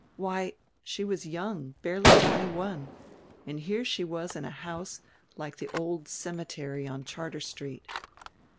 Why, she was young, barely twenty one; and here she was in a house like the old cemetery on Charter Street.